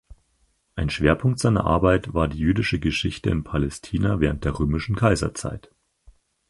Ein Schwerpunkt seiner Arbeit war die jüdische Geschichte in Palästina während der römischen Kaiserzeit.